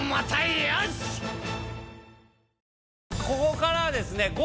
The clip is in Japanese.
ここからはですね